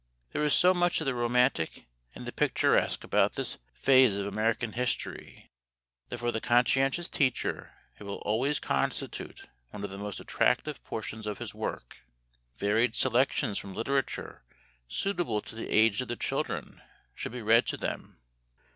There is so much of the romantic and the picturesque about this phase of American history that for the conscientious teacher it will always constitute one of the most attractive portions of his work. Varied selections from literature suitable to the age of the children should be read to them.